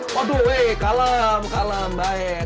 waduh kalem kalem baik